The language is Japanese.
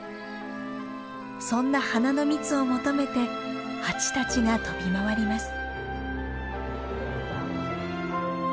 そんな花の蜜を求めてハチたちが飛び回ります。